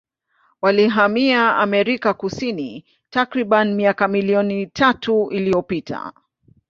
Walihamia Amerika Kusini takribani miaka milioni tatu iliyopita.